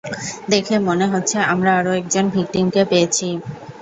দেখে মনে হচ্ছে আমরা আরো একজন ভিক্টিমকে পেয়েছি।